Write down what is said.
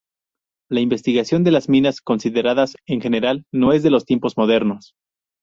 La invención de las minas, consideradas en general, no es de los tiempos modernos.